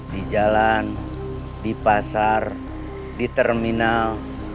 di jalan di pasar di terminal